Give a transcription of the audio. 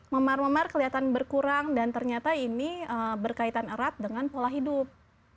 memar memar kelihatan berkurang dan ternyata ini berkaitan erat dengan pola hidup